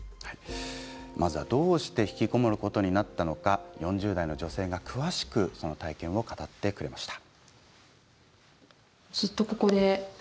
どうしてひきこもることになったのか４０代の女性が詳しく体験を語ってくれました。